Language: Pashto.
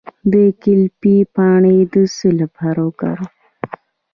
د ګلپي پاڼې د څه لپاره وکاروم؟